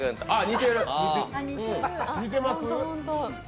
似てます？